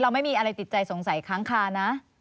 ไม่มีอะไรติดใจสงสัยค้างคานะ